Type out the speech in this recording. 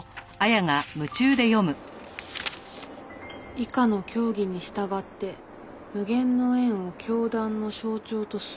「以下の教義にしたがって“無限の円”を教団の象徴とする」